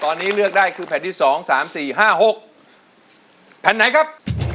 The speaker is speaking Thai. ตอนนี้เลือกได้คือแผ่นที่สองสามสี่ห้าหกแผ่นไหนครับ